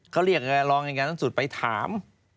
เขาเรียกรองการตั้งสุดไปถาม